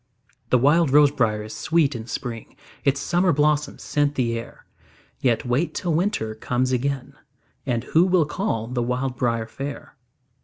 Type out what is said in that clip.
The wild rose briar is sweet in spring, Its summer blossoms scent the air; Yet wait till winter comes again, And who will call the wild briar fair?